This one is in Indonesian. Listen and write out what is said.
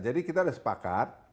jadi kita ada sepakat